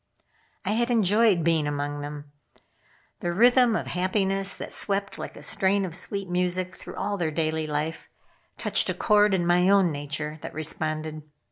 I had enjoyed being among them. The rhythm of happiness that swept like a strain of sweet music through all their daily life, touched a chord in my own nature that responded.